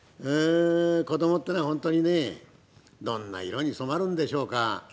子供ってのは本当にねどんな色に染まるんでしょうか？